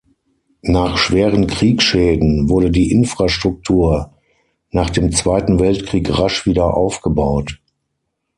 Nach schweren Kriegsschäden wurde die Infrastruktur nach dem Zweiten Weltkrieg rasch wieder aufgebaut.